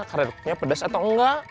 karedoknya pedas atau enggak